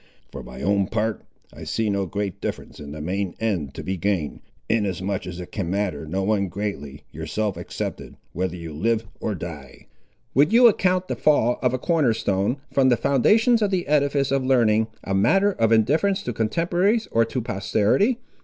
For my own part, I see no great difference in the main end to be gained, inasmuch as it can matter no one greatly, yourself excepted, whether you live or die." "Would you account the fall of a corner stone, from the foundations of the edifice of learning, a matter of indifference to contemporaries or to posterity?"